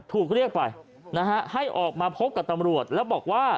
ถูกเรียกไปนะฮะให้ออกมาพบกับตำรวจแล้วบอกว่า